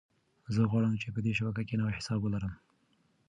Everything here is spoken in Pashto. زه غواړم چې په دې شبکه کې نوی حساب ولرم.